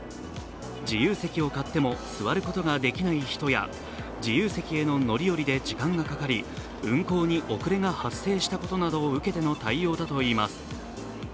自由席を買っても座ることができない人や自由席への乗り降りで時間がかかり運行に遅れが発生したことを受けての対応だといいます。